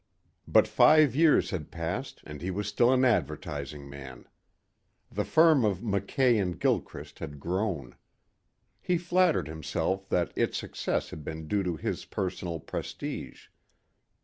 But five years had passed and he was still an advertising man. The firm of Mackay and Gilchrist had grown. He flattered himself that its success had been due to his personal prestige.